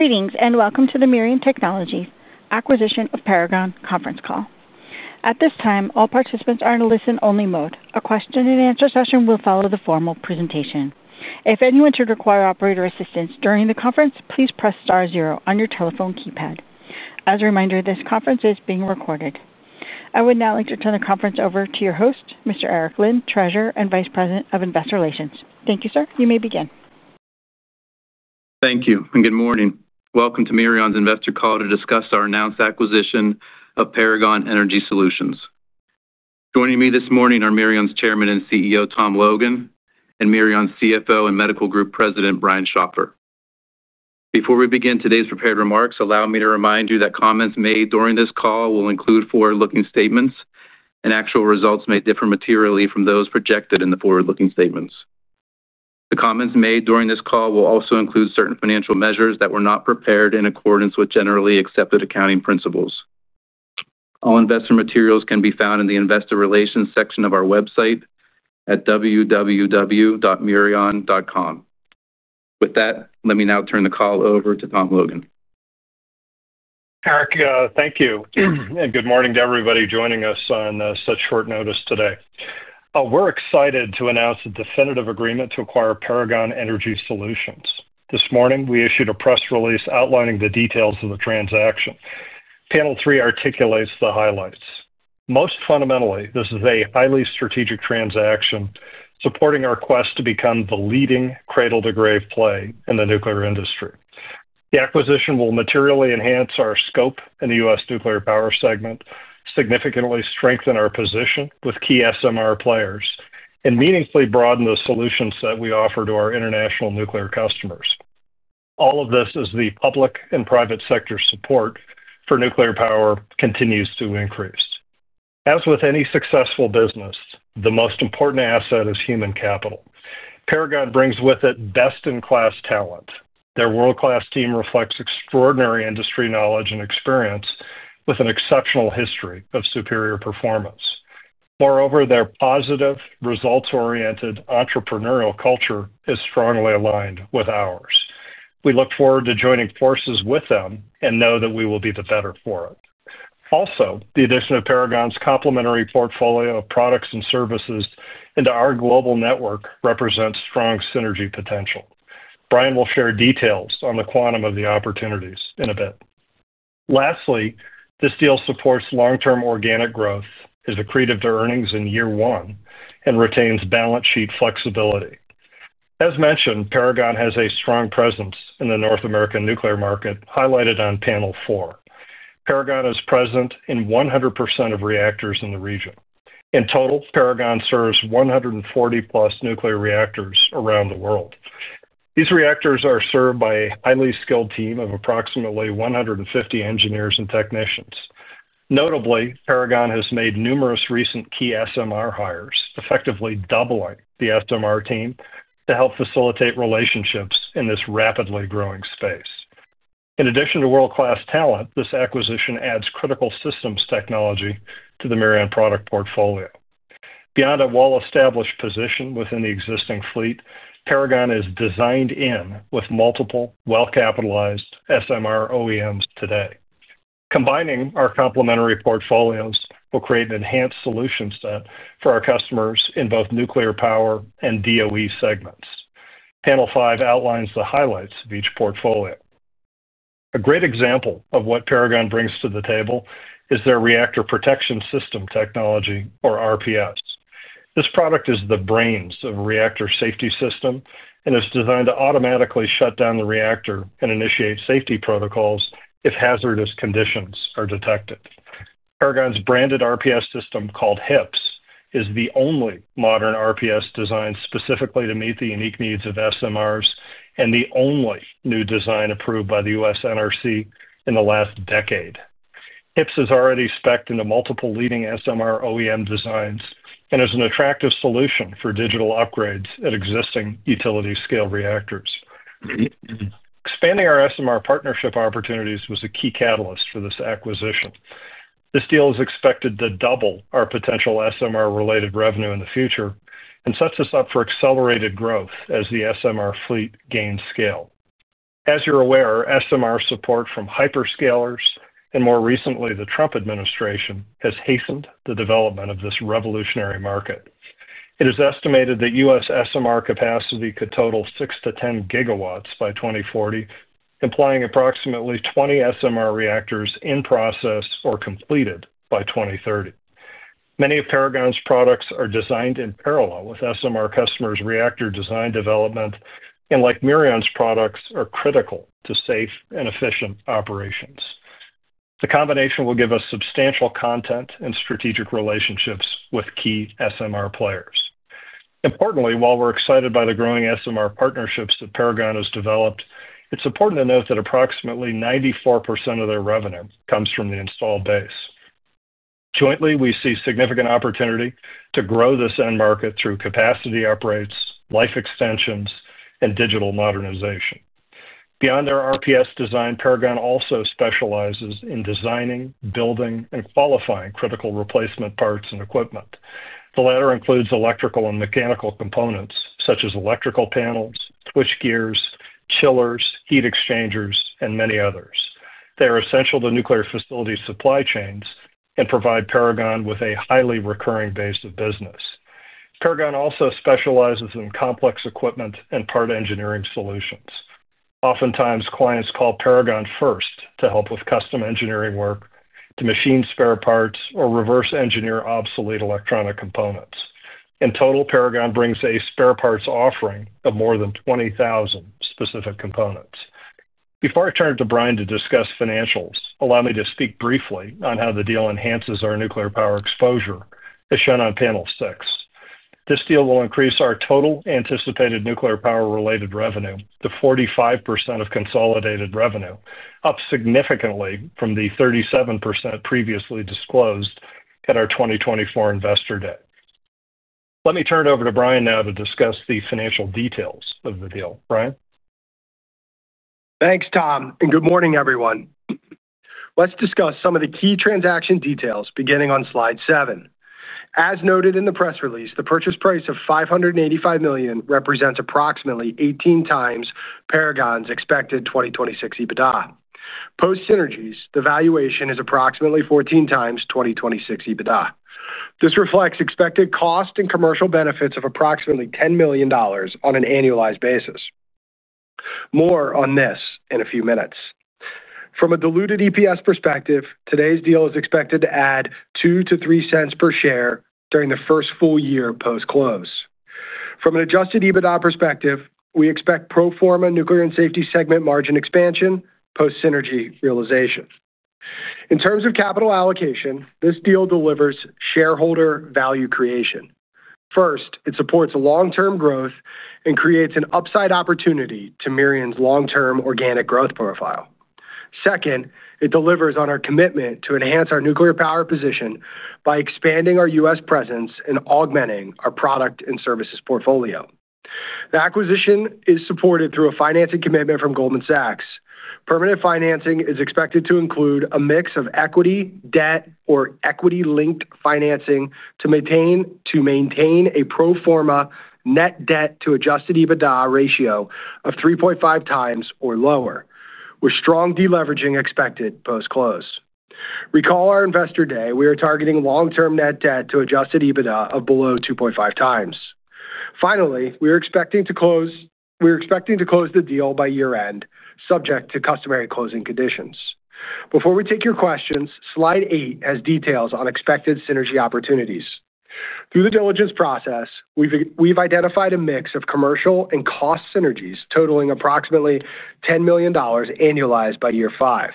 Greetings and welcome to the Mirion Technologies acquisition of Paragon conference call. At this time, all participants are in a listen-only mode. A question and answer session will follow the formal presentation. If anyone should require operator assistance during the conference, please press star zero on your telephone keypad. As a reminder, this conference is being recorded. I would now like to turn the conference over to your host, Mr. Eric Linn, Treasurer and Vice President of Investor Relations. Thank you, sir. You may begin. Thank you and good morning. Welcome to Mirion's investor call to discuss our announced acquisition of Paragon Energy Solutions. Joining me this morning are Mirion's Chairman and CEO, Tom Logan, and Mirion's CFO and Medical Group President, Brian Schopfer. Before we begin today's prepared remarks, allow me to remind you that comments made during this call will include forward-looking statements, and actual results may differ materially from those projected in the forward-looking statements. The comments made during this call will also include certain financial measures that were not prepared in accordance with generally accepted accounting principles. All investor materials can be found in the Investor Relations section of our website at www.mirion.com. With that, let me now turn the call over to Tom Logan. Eric, thank you, and good morning to everybody joining us on such short notice today. We're excited to announce a definitive agreement to acquire Paragon Energy Solutions. This morning, we issued a press release outlining the details of the transaction. Panel Three articulates the highlights. Most fundamentally, this is a highly strategic transaction supporting our quest to become the leading cradle-to-grave play in the nuclear industry. The acquisition will materially enhance our scope in the U.S. nuclear power segment, significantly strengthen our position with key SMR players, and meaningfully broaden the solutions that we offer to our international nuclear customers. All of this as the public and private sector support for nuclear power continues to increase. As with any successful business, the most important asset is human capital. Paragon brings with it best-in-class talent. Their world-class team reflects extraordinary industry knowledge and experience with an exceptional history of superior performance. Moreover, their positive, results-oriented entrepreneurial culture is strongly aligned with ours. We look forward to joining forces with them and know that we will be the better for it. Also, the addition of Paragon's complementary portfolio of products and services into our global network represents strong synergy potential. Brian will share details on the quantum of the opportunities in a bit. Lastly, this deal supports long-term organic growth, is accretive to earnings in year one, and retains balance sheet flexibility. As mentioned, Paragon has a strong presence in the North American nuclear market highlighted on Panel Four. Paragon is present in 100% of reactors in the region. In total, Paragon serves 140+ nuclear reactors around the world. These reactors are served by a highly skilled team of approximately 150 engineers and technicians. Notably, Paragon has made numerous recent key SMR hires, effectively doubling the SMR team to help facilitate relationships in this rapidly growing space. In addition to world-class talent, this acquisition adds critical systems technology to the Mirion product portfolio. Beyond a well-established position within the existing fleet, Paragon is designed in with multiple well-capitalized SMR OEMs today. Combining our complementary portfolios will create an enhanced solution set for our customers in both nuclear power and DOE segments. Panel Five outlines the highlights of each portfolio. A great example of what Paragon brings to the table is their reactor protection system technology, or RPS. This product is the brains of a reactor safety system and is designed to automatically shut down the reactor and initiate safety protocols if hazardous conditions are detected. Paragon's branded RPS system, called HIPS, is the only modern RPS designed specifically to meet the unique needs of SMRs and the only new design approved by the U.S. Nuclear Regulatory Commission in the last decade. HIPS is already specced into multiple leading SMR OEM designs and is an attractive solution for digital upgrades at existing utility-scale reactors. Expanding our SMR partnership opportunities was a key catalyst for this acquisition. This deal is expected to double our potential SMR-related revenue in the future and sets us up for accelerated growth as the SMR fleet gains scale. As you're aware, SMR support from hyperscalers and more recently the Trump administration has hastened the development of this revolutionary market. It is estimated that U.S. SMR capacity could total 6 to 10 gigawatts by 2040, implying approximately 20 SMR reactors in process or completed by 2030. Many of Paragon's products are designed in parallel with SMR customers' reactor design development and, like Mirion's products, are critical to safe and efficient operations. The combination will give us substantial content and strategic relationships with key SMR players. Importantly, while we're excited by the growing SMR partnerships that Paragon has developed, it's important to note that approximately 94% of their revenue comes from the installed base. Jointly, we see significant opportunity to grow this end market through capacity upgrades, life extensions, and digital modernization. Beyond their RPS design, Paragon also specializes in designing, building, and qualifying critical replacement parts and equipment. The latter includes electrical and mechanical components such as electrical panels, twist gears, chillers, heat exchangers, and many others. They are essential to nuclear facility supply chains and provide Paragon with a highly recurring base of business. Paragon also specializes in complex equipment and part engineering solutions. Oftentimes, clients call Paragon first to help with custom engineering work, to machine spare parts, or reverse engineer obsolete electronic components. In total, Paragon brings a spare parts offering of more than 20,000 specific components. Before I turn it to Brian to discuss financials, allow me to speak briefly on how the deal enhances our nuclear power exposure, as shown on Panel Six. This deal will increase our total anticipated nuclear power-related revenue to 45% of consolidated revenue, up significantly from the 37% previously disclosed at our 2024 investor day. Let me turn it over to Brian now to discuss the financial details of the deal. Brian. Thanks, Tom, and good morning, everyone. Let's discuss some of the key transaction details beginning on Slide Seven. As noted in the press release, the purchase price of $585 million represents approximately 18 times Paragon's expected 2026 EBITDA. Post-synergies, the valuation is approximately 14 times 2026 EBITDA. This reflects expected cost and commercial benefits of approximately $10 million on an annualized basis. More on this in a few minutes. From a diluted EPS perspective, today's deal is expected to add $0.02 to $0.03 per share during the first full year post-close. From an adjusted EBITDA perspective, we expect pro forma nuclear and safety segment margin expansion post-synergy realization. In terms of capital allocation, this deal delivers shareholder value creation. First, it supports long-term growth and creates an upside opportunity to Mirion's long-term organic growth profile. Second, it delivers on our commitment to enhance our nuclear power position by expanding our U.S. presence and augmenting our product and services portfolio. The acquisition is supported through a financing commitment from Goldman Sachs & Co. LLC. Permanent financing is expected to include a mix of equity, debt, or equity-linked financing to maintain a pro forma net debt to adjusted EBITDA ratio of 3.5 times or lower, with strong deleveraging expected post-close. Recall our investor day, we are targeting long-term net debt to adjusted EBITDA of below 2.5 times. Finally, we are expecting to close the deal by year-end, subject to customary closing conditions. Before we take your questions, Slide Eight has details on expected synergy opportunities. Through the diligence process, we've identified a mix of commercial and cost synergies totaling approximately $10 million annualized by year five.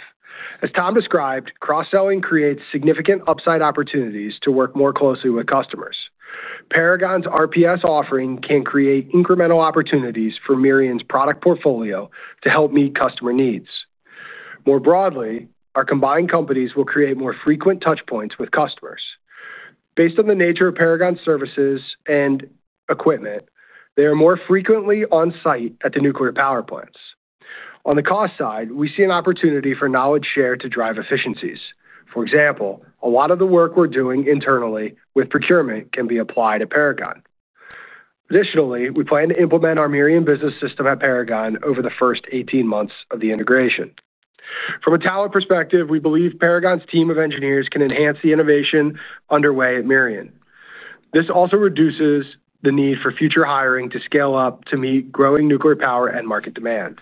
As Tom described, cross-selling creates significant upside opportunities to work more closely with customers. Paragon's RPS offering can create incremental opportunities for Mirion's product portfolio to help meet customer needs. More broadly, our combined companies will create more frequent touchpoints with customers. Based on the nature of Paragon's services and equipment, they are more frequently on-site at the nuclear power plants. On the cost side, we see an opportunity for knowledge share to drive efficiencies. For example, a lot of the work we're doing internally with procurement can be applied at Paragon. Additionally, we plan to implement our Mirion business system at Paragon over the first 18 months of the integration. From a talent perspective, we believe Paragon's team of engineers can enhance the innovation underway at Mirion. This also reduces the need for future hiring to scale up to meet growing nuclear power and market demand.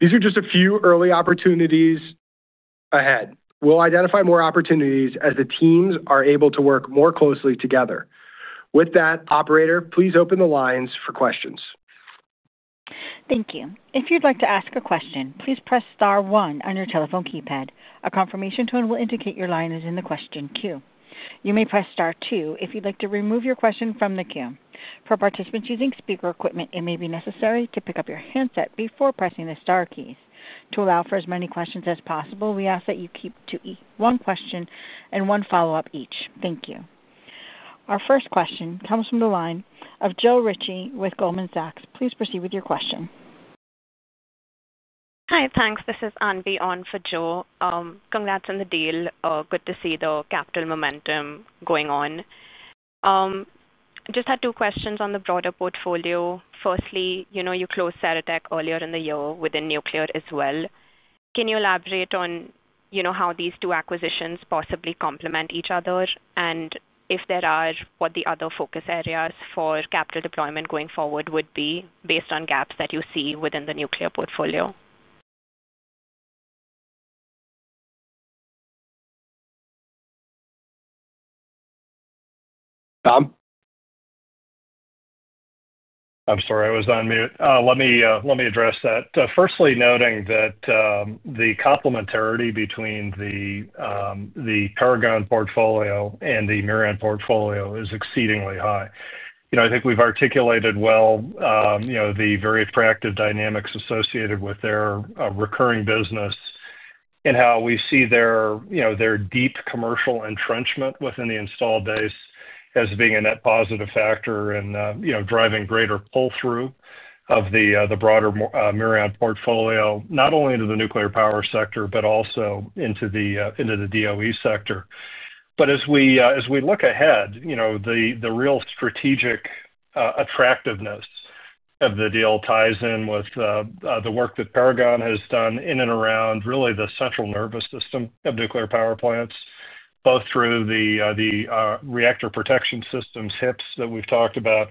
These are just a few early opportunities ahead. We'll identify more opportunities as the teams are able to work more closely together. With that, operator, please open the lines for questions. Thank you. If you'd like to ask a question, please press star one on your telephone keypad. A confirmation tone will indicate your line is in the question queue. You may press star two if you'd like to remove your question from the queue. For participants using speaker equipment, it may be necessary to pick up your handset before pressing the star keys. To allow for as many questions as possible, we ask that you keep to one question and one follow-up each. Thank you. Our first question comes from the line of Jo Richie with Goldman Sachs & Co. LLC. Please proceed with your question. Hi, thanks. This is Anvi on for Jo. Congrats on the deal. Good to see the capital momentum going on. I just had two questions on the broader portfolio. Firstly, you know, you closed Ceratec earlier in the year within nuclear as well. Can you elaborate on how these two acquisitions possibly complement each other? If there are, what the other focus areas for capital deployment going forward would be based on gaps that you see within the nuclear portfolio? Tom? I'm sorry, I was on mute. Let me address that. Firstly, noting that the complementarity between the Paragon Energy Solutions portfolio and the Mirion portfolio is exceedingly high. I think we've articulated well the very attractive dynamics associated with their recurring business and how we see their deep commercial entrenchment within the installed base as being a net positive factor in driving greater pull-through of the broader Mirion portfolio, not only to the nuclear power sector, but also into the DOE sector. As we look ahead, the real strategic attractiveness of the deal ties in with the work that Paragon Energy Solutions has done in and around really the central nervous system of nuclear power plants, both through the Reactor Protection Systems, HIPS digital Reactor Protection System, that we've talked about,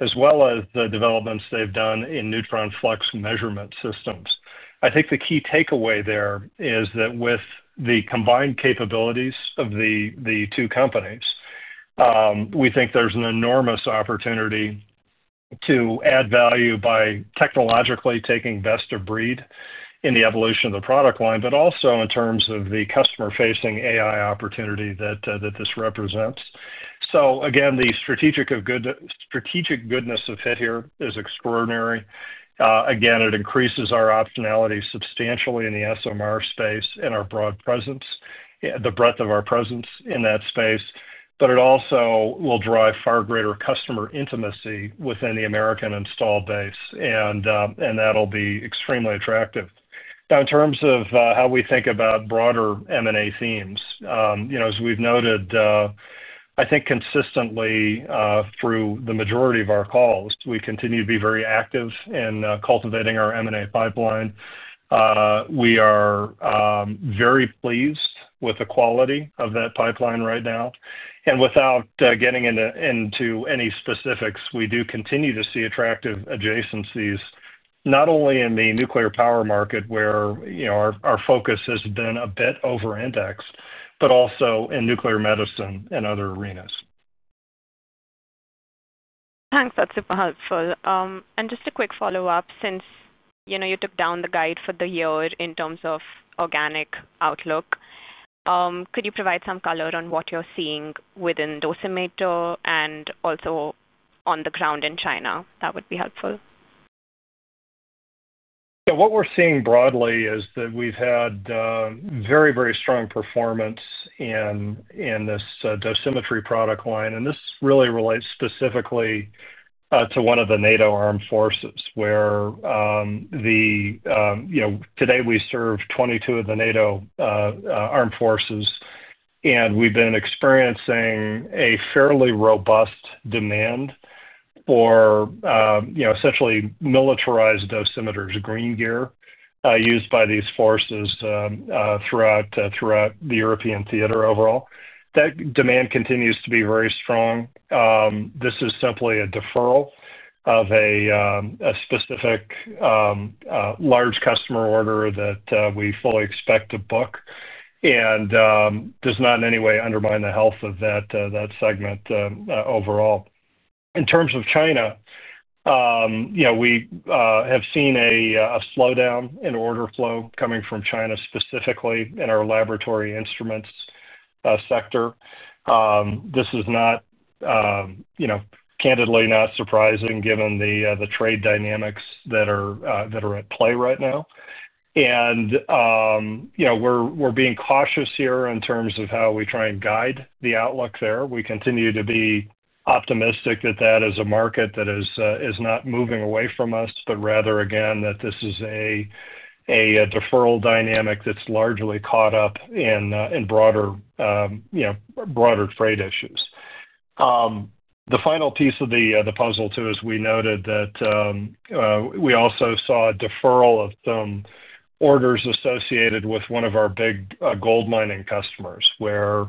as well as the developments they've done in neutron flux measurement systems. I think the key takeaway there is that with the combined capabilities of the two companies, we think there's an enormous opportunity to add value by technologically taking best of breed in the evolution of the product line, but also in terms of the customer-facing AI opportunity that this represents. Again, the strategic goodness of HIPS here is extraordinary. It increases our optionality substantially in the small modular reactor space and our broad presence, the breadth of our presence in that space. It also will drive far greater customer intimacy within the American installed base, and that'll be extremely attractive. In terms of how we think about broader M&A themes, as we've noted, I think consistently through the majority of our calls, we continue to be very active in cultivating our M&A pipeline. We are very pleased with the quality of that pipeline right now. Without getting into any specifics, we do continue to see attractive adjacencies, not only in the nuclear power market where our focus has been a bit over-indexed, but also in nuclear medicine and other arenas. Thanks, that's super helpful. Just a quick follow-up, since you took down the guide for the year in terms of organic outlook, could you provide some color on what you're seeing within dosimetry and also on the ground in China? That would be helpful. What we're seeing broadly is that we've had very, very strong performance in this dosimetry product line, and this really relates specifically to one of the NATO armed forces where today we serve 22 of the NATO armed forces, and we've been experiencing a fairly robust demand for, you know, essentially militarized dosimeters, green gear used by these forces throughout the European theater overall. That demand continues to be very strong. This is simply a deferral of a specific large customer order that we fully expect to book and does not in any way undermine the health of that segment overall. In terms of China, we have seen a slowdown in order flow coming from China specifically in our laboratory instruments sector. This is not, candidly not surprising given the trade dynamics that are at play right now. We're being cautious here in terms of how we try and guide the outlook there. We continue to be optimistic that that is a market that is not moving away from us, but rather, again, that this is a deferral dynamic that's largely caught up in broader trade issues. The final piece of the puzzle, too, is we noted that we also saw a deferral of some orders associated with one of our big gold mining customers where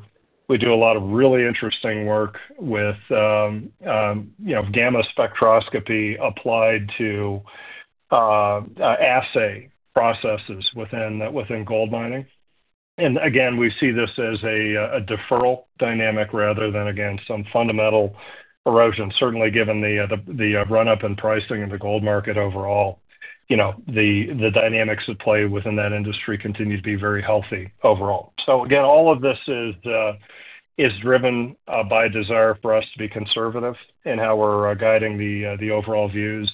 we do a lot of really interesting work with gamma spectroscopy applied to assay processes within gold mining. Again, we see this as a deferral dynamic rather than, again, some fundamental erosion, certainly given the run-up in pricing in the gold market overall. The dynamics at play within that industry continue to be very healthy overall. All of this is driven by a desire for us to be conservative in how we're guiding the overall views,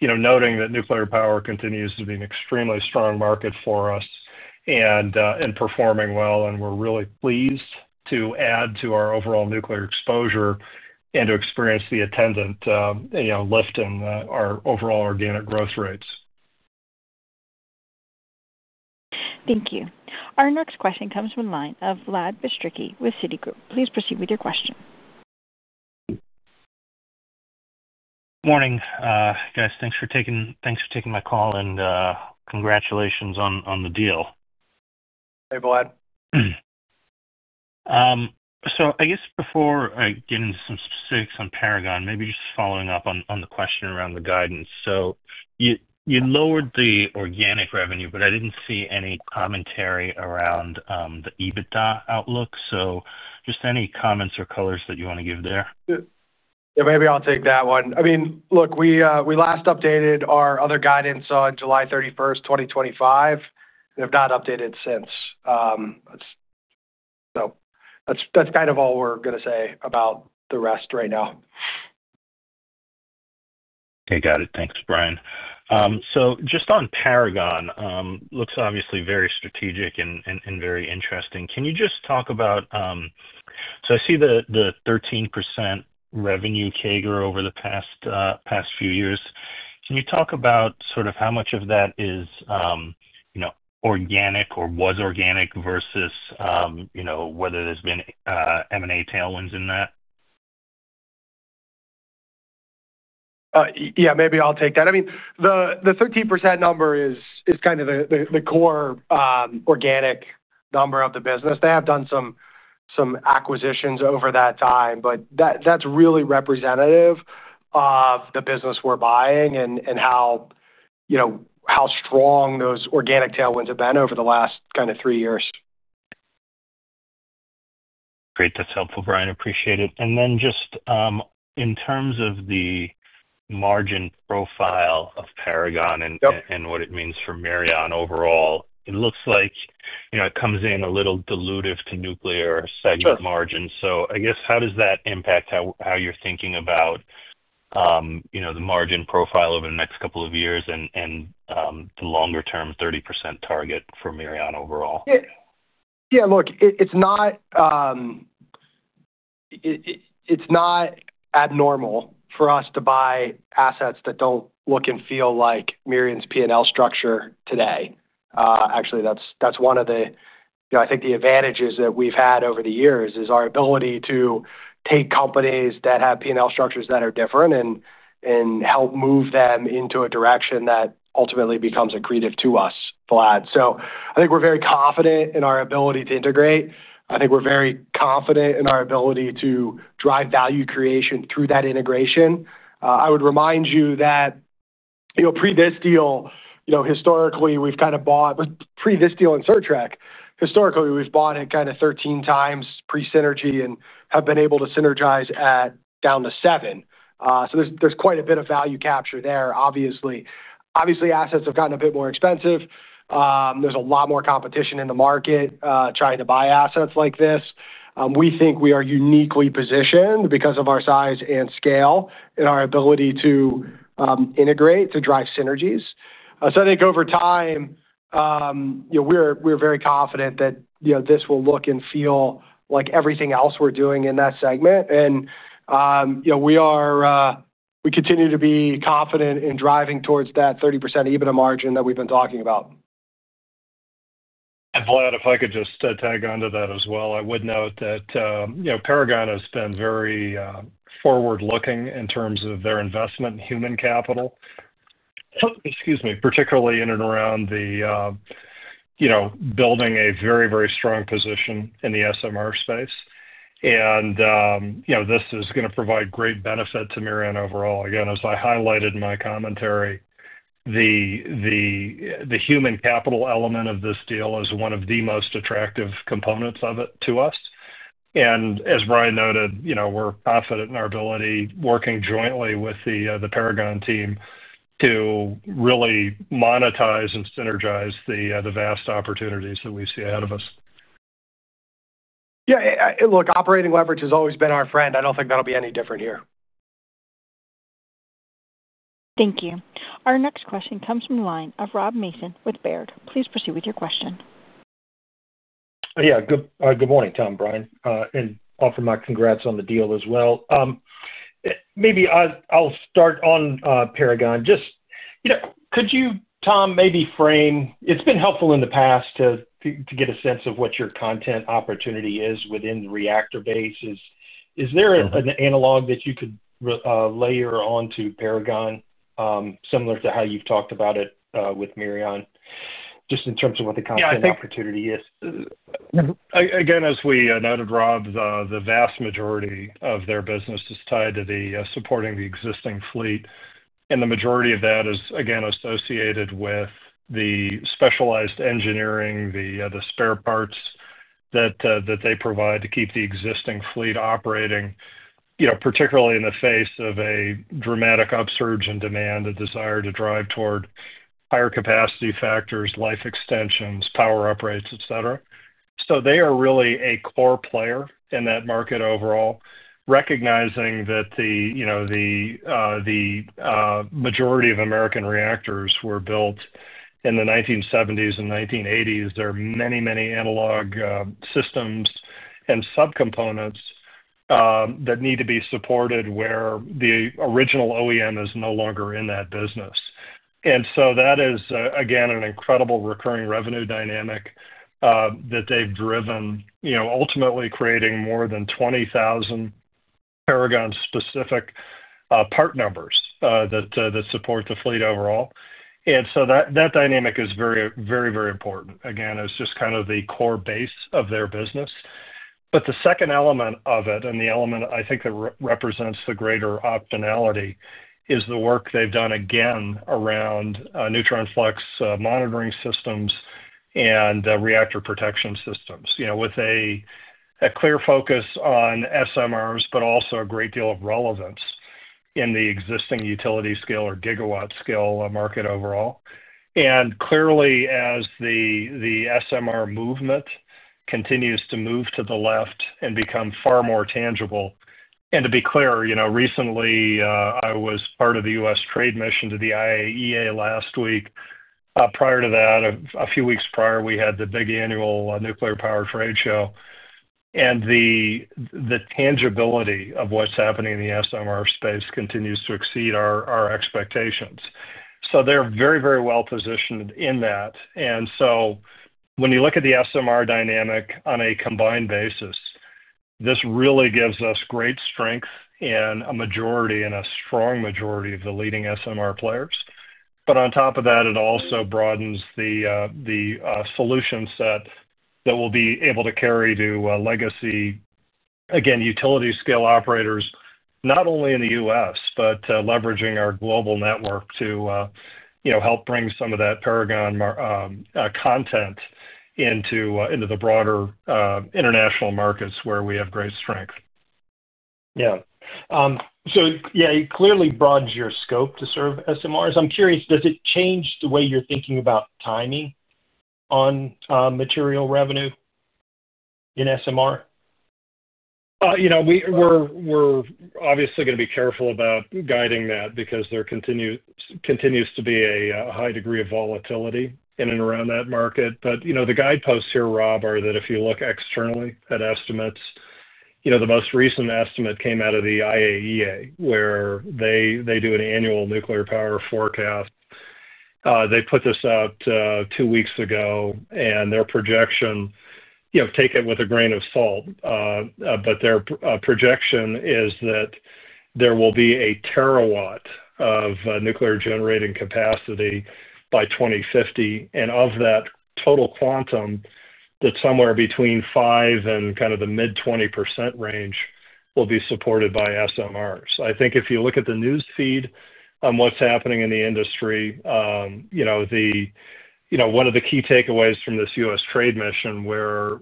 noting that nuclear power continues to be an extremely strong market for us and performing well, and we're really pleased to add to our overall nuclear exposure and to experience the attendant, you know, lift in our overall organic growth rates. Thank you. Our next question comes from the line of Vlad Vistricky with Citigroup. Please proceed with your question. Morning, guys. Thanks for taking my call and congratulations on the deal. Hey, Vlad. I guess before I get into some specifics on Paragon, maybe just following up on the question around the guidance. You lowered the organic revenue, but I didn't see any commentary around the EBITDA outlook. Just any comments or colors that you want to give there? Yeah, maybe I'll take that one. I mean, look, we last updated our other guidance on July 31, 2023. We have not updated since. That's kind of all we're going to say about the rest right now. Okay, got it. Thanks, Brian. Just on Paragon, it looks obviously very strategic and very interesting. Can you talk about, I see the 13% revenue CAGR over the past few years. Can you talk about sort of how much of that is organic or was organic versus whether there's been M&A tailwinds in that? Yeah, maybe I'll take that. I mean, the 13% number is kind of the core organic number of the business. They have done some acquisitions over that time, but that's really representative of the business we're buying and how strong those organic tailwinds have been over the last kind of three years. Great, that's helpful, Brian. Appreciate it. In terms of the margin profile of Paragon and what it means for Mirion overall, it looks like it comes in a little dilutive to nuclear segment margins. I guess how does that impact how you're thinking about the margin profile over the next couple of years and the longer-term 30% target for Mirion overall? Yeah, look, it's not abnormal for us to buy assets that don't look and feel like Mirion's P&L structure today. Actually, that's one of the, I think, the advantages that we've had over the years is our ability to take companies that have P&L structures that are different and help move them into a direction that ultimately becomes accretive to us, Vlad. I think we're very confident in our ability to integrate. I think we're very confident in our ability to drive value creation through that integration. I would remind you that, pre this deal, historically we've kind of bought, but pre this deal in Certec, historically we've bought at kind of 13 times pre-synergy and have been able to synergize it down to seven. There's quite a bit of value capture there, obviously. Assets have gotten a bit more expensive. There's a lot more competition in the market trying to buy assets like this. We think we are uniquely positioned because of our size and scale and our ability to integrate to drive synergies. I think over time, we're very confident that this will look and feel like everything else we're doing in that segment. We continue to be confident in driving towards that 30% EBITDA margin that we've been talking about. Vlad, if I could just tag onto that as well, I would note that Paragon has been very forward-looking in terms of their investment in human capital, particularly in and around building a very, very strong position in the SMR space. This is going to provide great benefit to Mirion overall. As I highlighted in my commentary, the human capital element of this deal is one of the most attractive components of it to us. As Brian noted, we're confident in our ability working jointly with the Paragon team to really monetize and synergize the vast opportunities that we see ahead of us. Yeah, look, operating leverage has always been our friend. I don't think that'll be any different here. Thank you. Our next question comes from the line of Rob Mason with Baird. Please proceed with your question. Yeah, good morning, Tom, Brian. My congrats on the deal as well. Maybe I'll start on Paragon. Could you, Tom, maybe frame, it's been helpful in the past to get a sense of what your content opportunity is within the reactor base. Is there an analog that you could layer onto Paragon, similar to how you've talked about it with Mirion, just in terms of what the content opportunity is? Yeah, I think, again, as we noted, Rob, the vast majority of their business is tied to supporting the existing fleet. The majority of that is, again, associated with the specialized engineering, the spare parts that they provide to keep the existing fleet operating, particularly in the face of a dramatic upsurge in demand, a desire to drive toward higher capacity factors, life extensions, power upgrades, etc. They are really a core player in that market overall, recognizing that the majority of American reactors were built in the 1970s and 1980s. There are many, many analog systems and subcomponents that need to be supported where the original OEM is no longer in that business. That is, again, an incredible recurring revenue dynamic that they've driven, ultimately creating more than 20,000 Paragon-specific part numbers that support the fleet overall. That dynamic is very, very, very important. It's just kind of the core base of their business. The second element of it, and the element I think that represents the greater optionality, is the work they've done again around neutron flux monitoring systems and reactor protection systems, with a clear focus on SMRs, but also a great deal of relevance in the existing utility scale or gigawatt scale market overall. Clearly, as the SMR movement continues to move to the left and become far more tangible. To be clear, recently I was part of the U.S. trade mission to the IAEA last week. Prior to that, a few weeks prior, we had the big annual nuclear power trade show. The tangibility of what's happening in the SMR space continues to exceed our expectations. They're very, very well positioned in that. When you look at the SMR dynamic on a combined basis, this really gives us great strength in a majority and a strong majority of the leading SMR players. On top of that, it also broadens the solution set that we'll be able to carry to legacy, again, utility scale operators, not only in the U.S., but leveraging our global network to help bring some of that Paragon content into the broader international markets where we have great strength. Yeah, it clearly broadens your scope to serve SMRs. I'm curious, does it change the way you're thinking about timing on material revenue in SMR? You know, we're obviously going to be careful about guiding that because there continues to be a high degree of volatility in and around that market. The guideposts here, Rob, are that if you look externally at estimates, the most recent estimate came out of the IAEA where they do an annual nuclear power forecast. They put this out two weeks ago, and their projection, take it with a grain of salt, but their projection is that there will be a terawatt of nuclear generating capacity by 2050. Of that total quantum, that's somewhere between 5% and kind of the mid-20% range will be supported by SMRs. I think if you look at the news feed on what's happening in the industry, one of the key takeaways from this U.S. trade mission where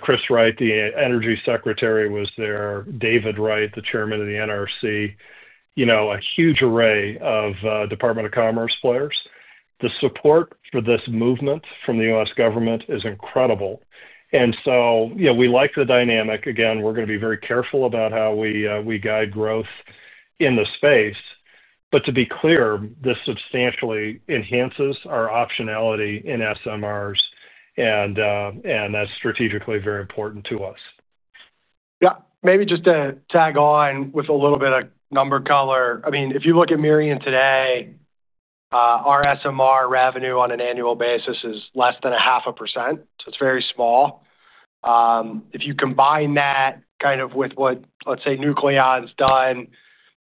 Chris Wright, the Energy Secretary, was there, David Wright, the Chairman of the NRC, a huge array of Department of Commerce players. The support for this movement from the U.S. government is incredible. We like the dynamic. Again, we're going to be very careful about how we guide growth in the space. To be clear, this substantially enhances our optionality in SMRs, and that's strategically very important to us. Yeah, maybe just to tag on with a little bit of number color. I mean, if you look at Mirion today, our SMR revenue on an annual basis is less than 0.5%. It's very small. If you combine that with what, let's say, Nucleon's done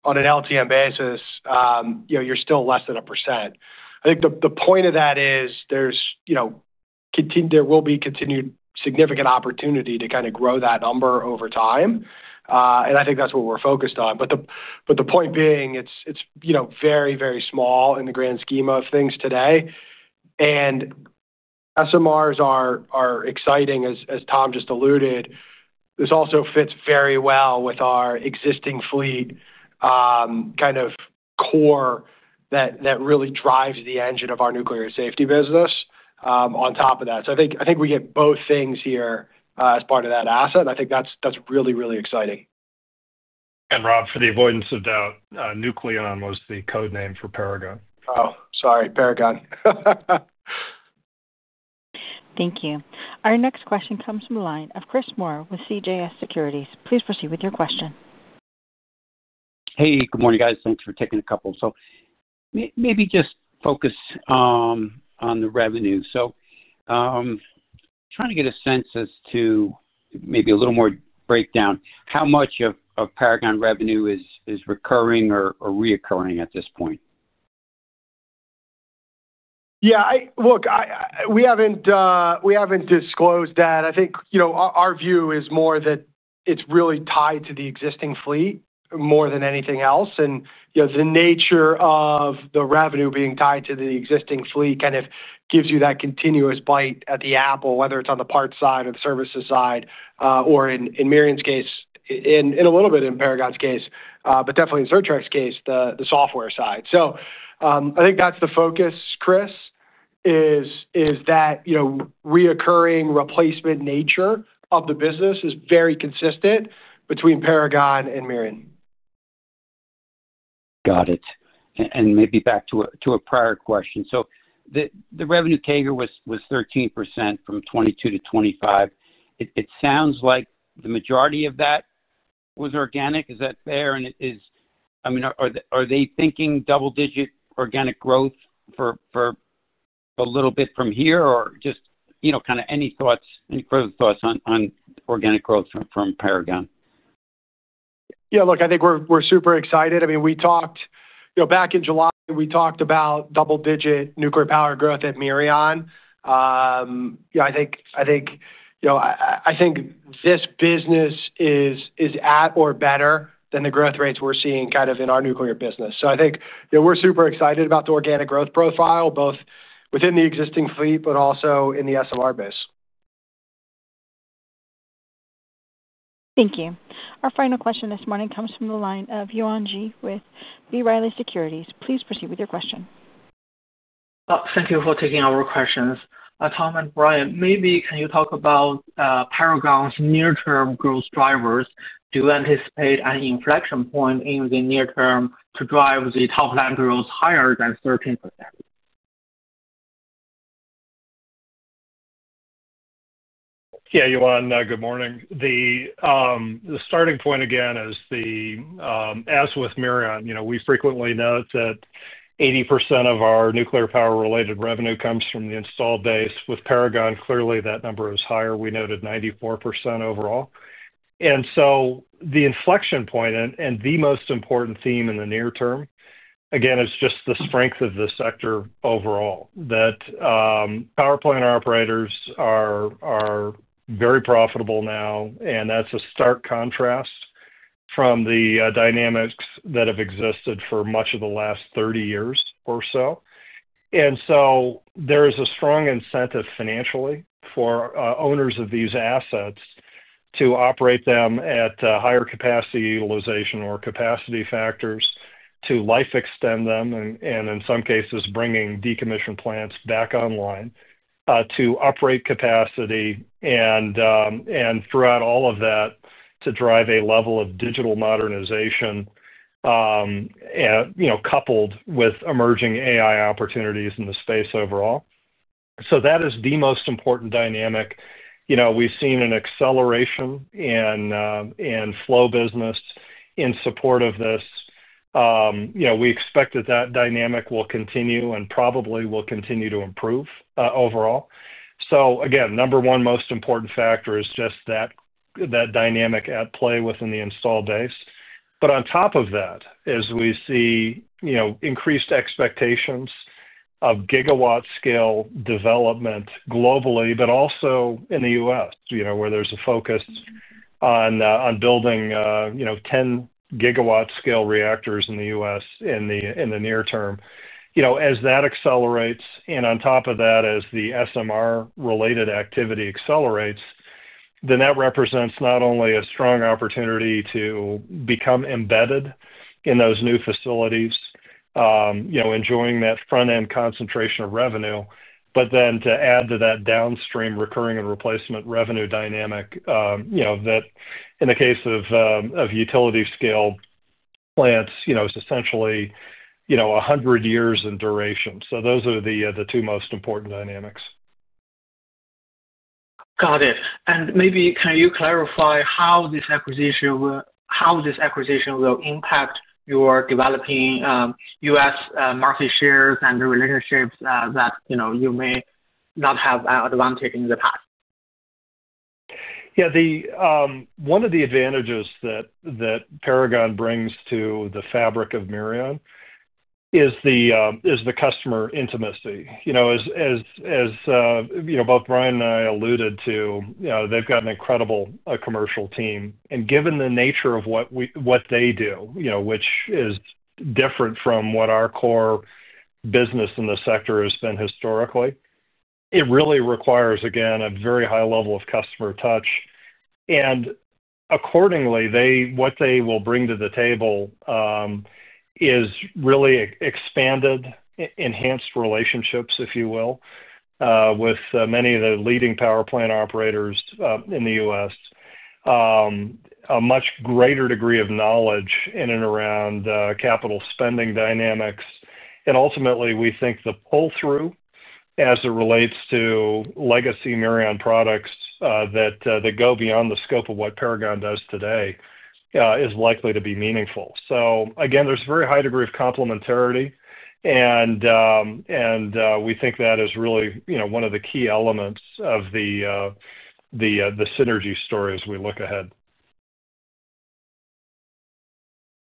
on an LTM basis, you're still less than 1%. I think the point of that is there will be continued significant opportunity to grow that number over time. I think that's what we're focused on. The point being, it's very, very small in the grand scheme of things today. SMRs are exciting, as Tom just alluded. This also fits very well with our existing fleet core that really drives the engine of our nuclear safety business on top of that. I think we get both things here as part of that asset, and I think that's really, really exciting. For the avoidance of doubt, Nucleon was the code name for Paragon. Oh, sorry, Paragon. Thank you. Our next question comes from the line of Chris Moore with CJS Securities. Please proceed with your question. Hey, good morning, guys. Thanks for taking a couple. Maybe just focus on the revenue. I'm trying to get a sense as to maybe a little more breakdown. How much of Paragon revenue is recurring or reoccurring at this point? Yeah, look, we haven't disclosed that. I think, you know, our view is more that it's really tied to the existing fleet more than anything else. The nature of the revenue being tied to the existing fleet kind of gives you that continuous bite at the apple, whether it's on the parts side or the services side, or in Mirion's case, in a little bit in Paragon's case, but definitely in Certec's case, the software side. I think that's the focus, Chris, is that, you know, reoccurring replacement nature of the business is very consistent between Paragon and Mirion. Got it. Maybe back to a prior question. The revenue CAGR was 13% from 2022 to 2025. It sounds like the majority of that was organic. Is that fair? I mean, are they thinking double-digit organic growth for a little bit from here, or just any thoughts, any further thoughts on organic growth from Paragon? Yeah, look, I think we're super excited. I mean, we talked back in July, we talked about double-digit nuclear power growth at Mirion. I think this business is at or better than the growth rates we're seeing in our nuclear business. I think we're super excited about the organic growth profile both within the existing fleet, but also in the SMR base. Thank you. Our final question this morning comes from the line of Yuan Ji with B. Riley Securities. Please proceed with your question. Thank you for taking our questions. Tom and Brian, maybe can you talk about Paragon's near-term growth drivers? Do you anticipate any inflection point in the near term to drive the top line growth higher than 13%? Yeah, Yuan, good morning. The starting point again is, as with Mirion, you know, we frequently note that 80% of our nuclear power-related revenue comes from the installed base. With Paragon, clearly that number is higher. We noted 94% overall. The inflection point and the most important theme in the near term, again, is just the strength of the sector overall. Power plant operators are very profitable now, and that's a stark contrast from the dynamics that have existed for much of the last 30 years or so. There is a strong incentive financially for owners of these assets to operate them at higher capacity utilization or capacity factors, to life extend them, and in some cases, bringing decommissioned plants back online, to operate capacity, and throughout all of that, to drive a level of digital modernization, you know, coupled with emerging AI opportunities in the space overall. That is the most important dynamic. We've seen an acceleration in flow business in support of this. We expect that that dynamic will continue and probably will continue to improve overall. Again, number one most important factor is just that that dynamic at play within the installed base. On top of that, as we see increased expectations of gigawatt scale development globally, but also in the U.S., where there's a focus on building 10 gigawatt scale reactors in the U.S. in the near term. As that accelerates, and on top of that, as the SMR-related activity accelerates, then that represents not only a strong opportunity to become embedded in those new facilities, enjoying that front-end concentration of revenue, but then to add to that downstream recurring and replacement revenue dynamic, that in the case of utility scale plants, it's essentially, you know, 100 years in duration. Those are the two most important dynamics. Got it. Maybe can you clarify how this acquisition will impact your developing U.S. market shares and the relationships that you may not have advantage in the past? Yeah, one of the advantages that Paragon brings to the fabric of Mirion is the customer intimacy. As you know, both Brian and I alluded to, they've got an incredible commercial team. Given the nature of what they do, which is different from what our core business in the sector has been historically, it really requires a very high level of customer touch. Accordingly, what they will bring to the table is really expanded, enhanced relationships, if you will, with many of the leading power plant operators in the U.S., a much greater degree of knowledge in and around capital spending dynamics. Ultimately, we think the pull-through as it relates to legacy Mirion products that go beyond the scope of what Paragon does today is likely to be meaningful. There is a very high degree of complementarity, and we think that is really one of the key elements of the synergy story as we look ahead.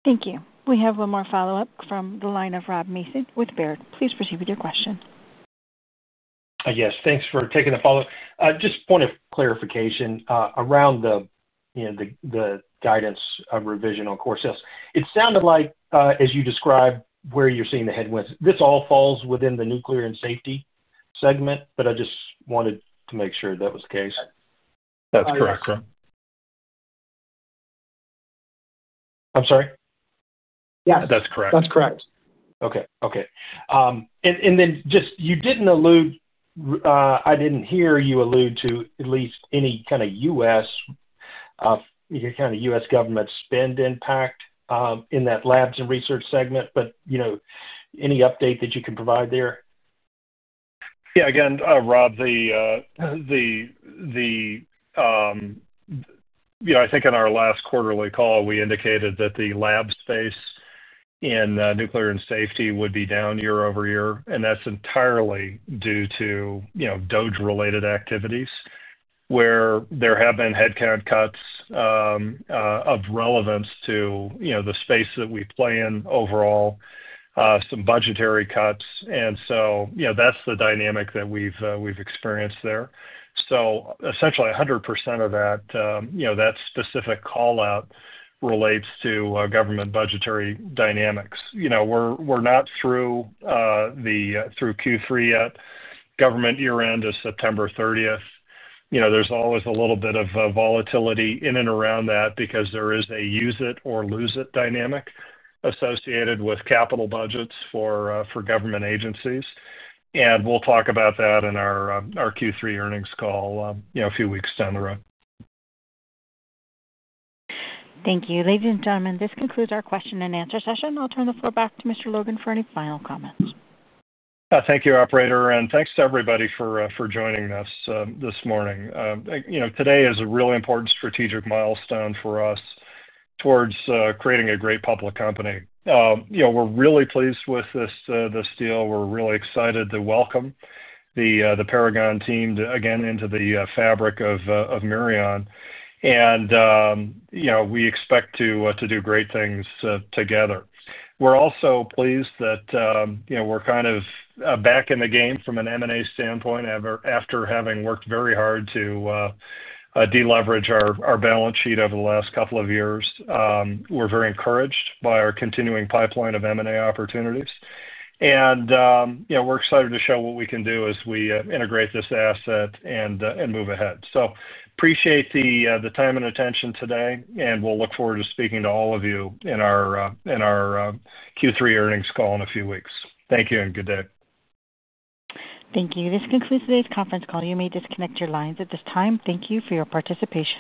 Thank you. We have one more follow-up from the line of Rob Mason with Baird. Please proceed with your question. Yes, thanks for taking the follow-up. Just a point of clarification around the guidance revision on core sales. It sounded like, as you described, where you're seeing the headwinds. This all falls within the nuclear and safety segment, but I just wanted to make sure that was the case. That's correct. I'm sorry? Yeah. That's correct. That's correct. Okay. You didn't allude, I didn't hear you allude to at least any kind of U.S. government spend impact in that labs and research segment, but any update that you can provide there? Yeah, again, Rob, I think in our last quarterly call, we indicated that the lab space in nuclear and safety would be down year over year. That's entirely due to DOGE-related activities where there have been headcount cuts of relevance to the space that we plan overall, some budgetary cuts. That's the dynamic that we've experienced there. Essentially, 100% of that specific callout relates to government budgetary dynamics. We're not through Q3 yet. Government year-end is September 30. There's always a little bit of volatility in and around that because there is a use-it-or-lose-it dynamic associated with capital budgets for government agencies. We'll talk about that in our Q3 earnings call a few weeks down the road. Thank you. Ladies and gentlemen, this concludes our question and answer session. I'll turn the floor back to Mr. Logan for any final comments. Thank you, operator, and thanks to everybody for joining us this morning. Today is a really important strategic milestone for us towards creating a great public company. We're really pleased with this deal. We're really excited to welcome the Paragon team again into the fabric of Mirion. We expect to do great things together. We're also pleased that we're kind of back in the game from an M&A standpoint after having worked very hard to deleverage our balance sheet over the last couple of years. We're very encouraged by our continuing pipeline of M&A opportunities. We're excited to show what we can do as we integrate this asset and move ahead. Appreciate the time and attention today, and we'll look forward to speaking to all of you in our Q3 earnings call in a few weeks. Thank you and good day. Thank you. This concludes today's conference call. You may disconnect your lines at this time. Thank you for your participation.